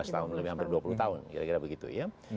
lima belas tahun lebih hampir dua puluh tahun kira kira begitu ya